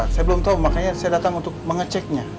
saya belum tahu makanya saya datang untuk mengeceknya